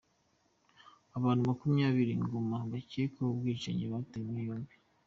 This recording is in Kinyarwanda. Abanu Makumyabiri Igoma bakekwaho ubwicanyi batawe muri yombi